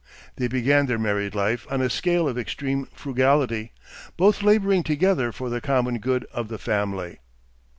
They began their married life on a scale of extreme frugality, both laboring together for the common good of the family.